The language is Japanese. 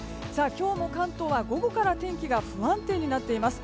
今日も関東は午後から天気が不安定になっています。